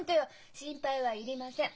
心配はいりません。